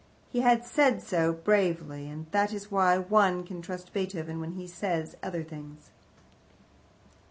He had said so bravely, and that is why one can trust Beethoven when he says other things.